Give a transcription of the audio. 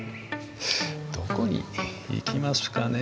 どこに行きますかね。